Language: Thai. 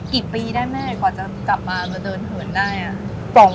กี่ปีได้แม่กว่าจะกลับมาแล้วเดินเหินได้อ่ะ